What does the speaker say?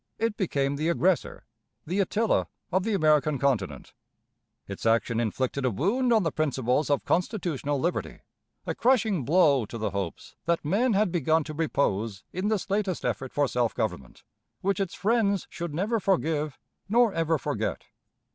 It became the aggressor the Attila of the American Continent. Its action inflicted a wound on the principles of constitutional liberty, a crashing blow to the hopes that men had begun to repose in this latest effort for self government, which its friends should never forgive nor ever forget.